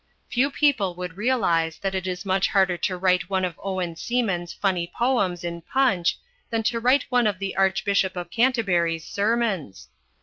Few people would realise that it is much harder to write one of Owen Seaman's "funny" poems in Punch than to write one of the Archbishop of Canterbury's sermons.